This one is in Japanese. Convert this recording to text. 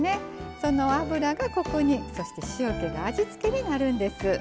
その脂がコクにそして塩気が味付けになるんです。